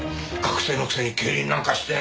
学生のくせに競輪なんかして！